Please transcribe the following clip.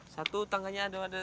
satu tangannya ada ada